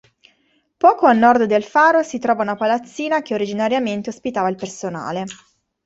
Poco a nord del faro si trova una palazzina che originariamente ospitava il personale.